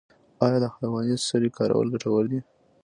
آیا د حیواني سرې کارول ګټور دي؟